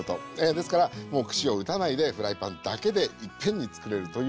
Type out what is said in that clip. ですからもう串を打たないでフライパンだけで一遍につくれるというのと。